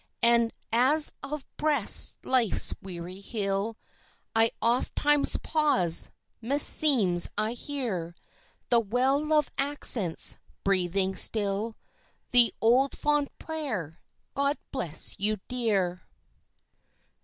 And as I breast life's weary hill, I ofttimes pause meseems I hear The well loved accents breathing still The old fond prayer, "God bless you, dear."